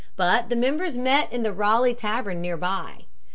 But the members met in the Raleigh tavern near by.